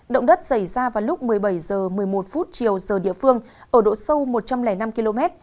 động đất xảy ra vào lúc một mươi bảy h một mươi một chiều giờ địa phương ở độ sâu một trăm linh năm km